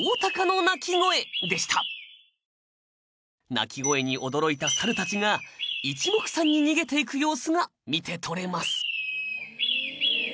鳴き声に驚いたサルたちが一目散に逃げていく様子が見てとれます。